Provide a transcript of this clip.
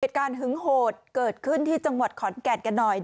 เหตุการณ์หึงโหดเกิดขึ้นที่จังหวัดขอนแก่นกันหน่อย